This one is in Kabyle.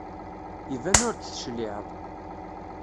Iban ur d-tecliεeḍ.